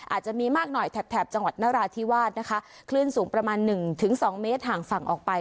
อาจจะมีมากหน่อยแถบแถบจังหวัดนราธิวาสนะคะคลื่นสูงประมาณหนึ่งถึงสองเมตรห่างฝั่งออกไป